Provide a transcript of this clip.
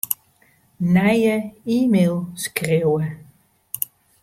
Nije e-mail skriuwe.